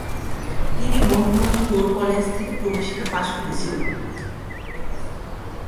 তিনি বহরমপুর কলেজ থেকে প্রবেশিকা পাস করেছিলেন।